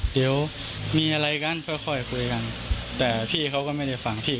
เดี๋ยวมีอะไรกันค่อยค่อยคุยกันแต่พี่เขาก็ไม่ได้ฟังพี่